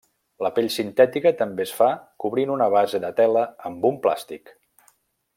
La pell sintètica també es fa cobrint una base de tela amb un plàstic.